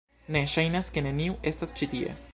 Ne, ŝajnas ke neniu estas ĉi tie.